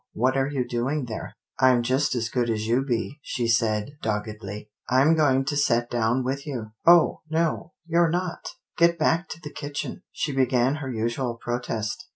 What are you doing there? "" I'm just as good as you be," she said, doggedly, " I'm going to set down with you." " Oh ! no, you're not. Get back to the kitchen." She began her usual protest.